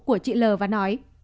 của chị lờ và nói